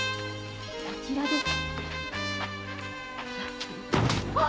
こちらです。